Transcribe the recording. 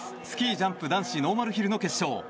スキージャンプ男子ノーマルヒルの決勝。